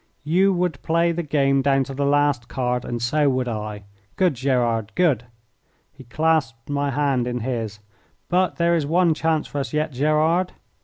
"You would play the game down to the last card and so would I. Good, Gerard, good!" He clasped my hand in his. "But there is one chance for us yet, Gerard."